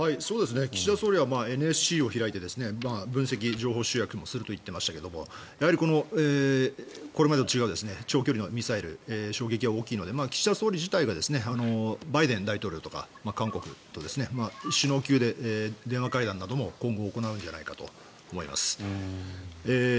岸田総理はＮＳＣを開いて分析、情報集約をすると言っていましたがやはりこれまでと違う長距離のミサイル衝撃は大きいので岸田総理自体がバイデン大統領とか韓国と首脳級で電話会談なども今後、行うんじゃないかと思います。